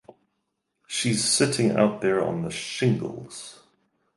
She’s sitting out there on the shingles.